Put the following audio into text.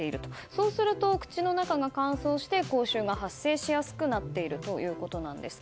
そうすると口の中が乾燥して口臭が発生しやすくなっているということです。